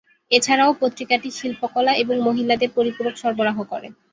এছাড়াও, পত্রিকাটি শিল্পকলা এবং মহিলাদের পরিপূরক সরবরাহ করে।